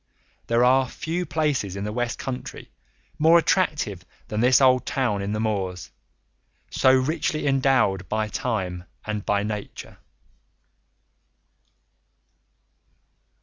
There are few places in the West Country more attractive than this old town in the moors, so richly endowed by time and by nature.